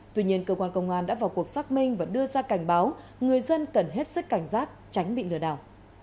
tuy nhiên cơ quan công an đã vào cuộc xác minh và đưa ra cảnh báo người dân cần hết sức cảnh giác tránh bị lừa đảo